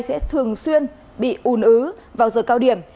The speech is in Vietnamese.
sẽ thường xuyên bị ùn ứ vào giờ cao điểm